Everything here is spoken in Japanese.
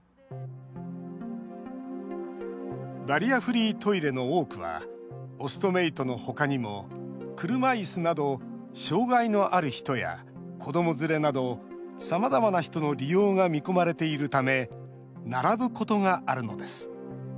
バリアフリートイレの多くはオストメイトの他にも車いすなど障害のある人や子ども連れなどさまざまな人の利用が見込まれているため並ぶことがあるのです。